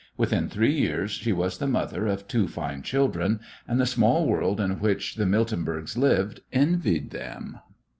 Within three years she was the mother of two fine children, and the small world in which the Miltenbergs lived envied them.